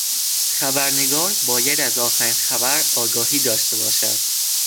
خبرنگار باید از آخرین خبر آگاهی داشته باشد.